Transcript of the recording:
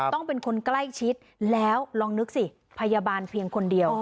ต้องเป็นคนใกล้ชิดแล้วลองนึกสิพยาบาลเพียงคนเดียว